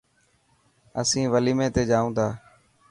اسين وليمي تي جائون تا.